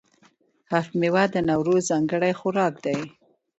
هفت میوه د نوروز ځانګړی خوراک دی.